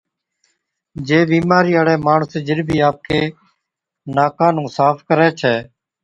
جي بِيمارِي هاڙَي ماڻس جِڏ بِي آپڪي ناڪان نُون صاف ڪرَي ڇَي،